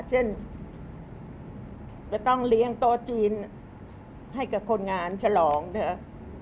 เช่นจะต้องเลี้ยงโต๊ะจีนให้กับคนงานฉลองนะครับ